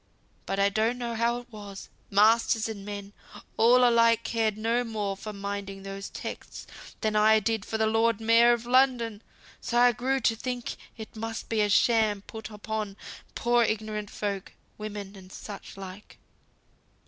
But I don't know how it was; masters and men, all alike cared no more for minding those texts, than I did for th' Lord Mayor of London; so I grew to think it must be a sham put upon poor ignorant folk, women, and such like.